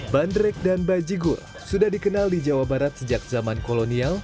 bandrek dan bajigur sudah dikenal di jawa barat sejak zaman kolonial